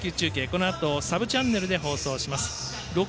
このあとサブチャンネルで放送します。